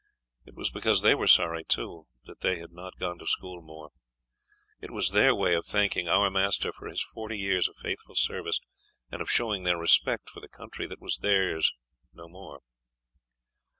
It was because they were sorry, too, that they had not gone to school more. It was their way of thanking our master for his forty years of faithful service and of showing their respect for the country that was theirs no more.